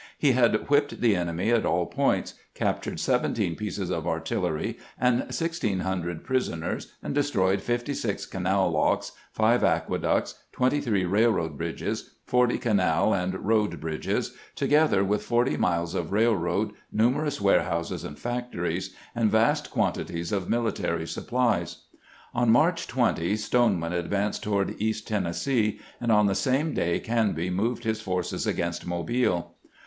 He had whipped the enemy at all points, captured 17 pieces of artillery and 1600 prisoners, and destroyed 56 canal locks, 5 aqueducts, 23 railroad bridges, 40 canal and road bridges, together with 40 miles of railroad, numerous warehouses and factories, and vast quantities of military supplies. On March 20 Stoneman advanced toward east Ten nessee, and on the same day Canby moved his forces against Mobile.